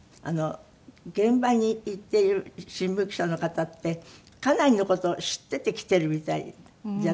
現場に行っている新聞記者の方ってかなりの事を知っていて来ているみたいじゃない。